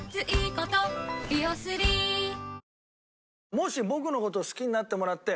もし僕の事を好きになってもらって。